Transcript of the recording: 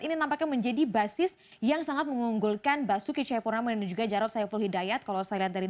ini nampaknya menjadi basis yang sangat penting untuk anisandi